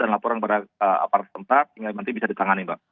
dan laporan kepada apartement sempat sehingga nanti bisa ditangani mbak